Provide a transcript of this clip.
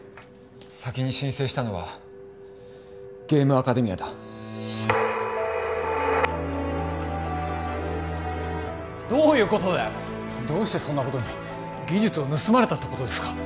先に申請したのはゲームアカデミアだどういうことだよどうしてそんなことに技術を盗まれたってことですか？